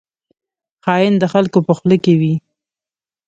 خاین د خلکو په خوله کې وي